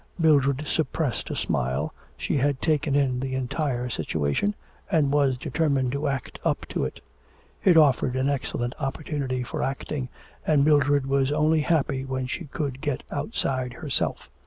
Mildred suppressed a smile, she had taken in the entire situation, and was determined to act up to it. It offered an excellent opportunity for acting, and Mildred was only happy when she could get outside herself.